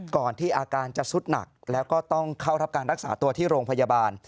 ก่อนที่อาการจะสุดหนักแล้วก็ต้องเข้ารับการรักษาตัวที่โรงพยาบาล